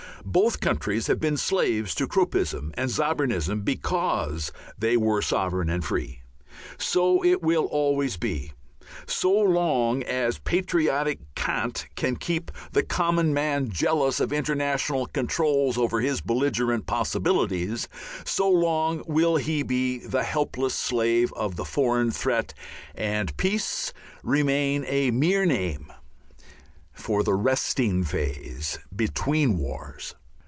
Both countries have been slaves to Kruppism and Zabernism because they were sovereign and free! So it will always be. So long as patriotic cant can keep the common man jealous of international controls over his belligerent possibilities, so long will he be the helpless slave of the foreign threat, and "Peace" remain a mere name for the resting phase between wars.